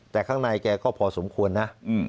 แต่ข้างในแกก็พอสมควรนะ